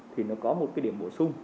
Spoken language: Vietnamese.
thì nó có một cái điểm bổ sung